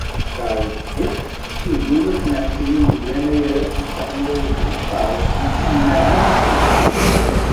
Ṭaher Useddiq, ilul ass n, εecrin deg yennayer alef u tesεemya u tleṭṭac, deg Sidi Neεman deg-Tegzirt.